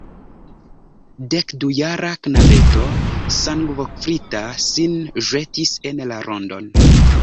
Dekdujara knabeto sangkovrita sin ĵetis en la rondon.